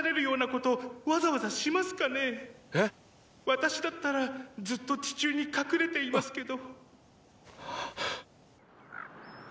私だったらずっと地中に隠れていますけど。